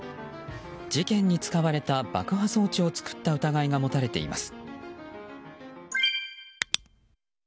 事件に使われた爆破装置を作った疑いが持たれています。